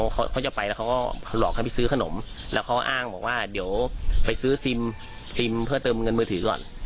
เขาจะไปแล้วเขาก็หลอกให้ไปซื้อขนมแล้วเขาอ้างบอกว่าเดี๋ยวไปซื้อซิมซิมเพื่อเติมเงินมือถือก่อน